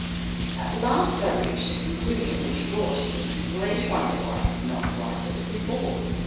At last I reached a conclusion which wrought in me great wonder why I had not arrived at it before.